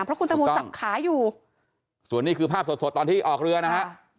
เพราะคุณตังโมจับขาอยู่ส่วนนี้คือภาพสดสดตอนที่ออกเรือนะฮะ